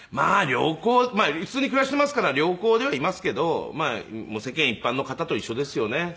普通に暮らしていますから良好ではいますけど世間一般の方と一緒ですよね。